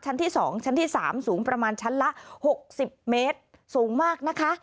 ชั้นที่๒ชั้นที่๓สูงประมาณชั้นละ๖๐เมตรสูงมากนะคะ